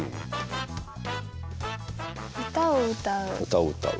歌を歌う。